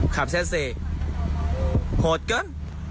ขับเซสสี่โหดเกิน